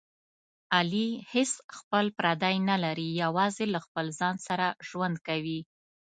علي هېڅ خپل پردی نه لري، یوازې له خپل ځان سره ژوند کوي.